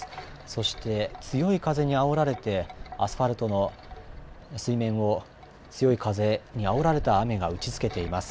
そして、強い風にあおられて、アスファルトの水面を強い風にあおられた雨が打ちつけています。